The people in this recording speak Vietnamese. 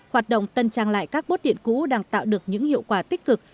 hoạt động tân trang lại các bốt điện cũ đang tạo được những hiệu quả tích cực